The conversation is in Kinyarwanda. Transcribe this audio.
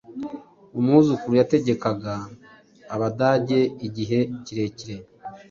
Umwuzukuru Yategekaga Abadage igihe kirekire